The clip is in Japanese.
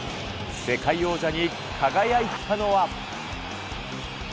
世界王者に輝いたのは。